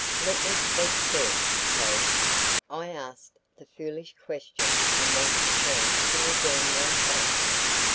"Let me speak first, please. I asked the foolish question and want a chance to redeem myself."